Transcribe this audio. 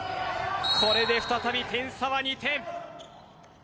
これで再び点差は２点。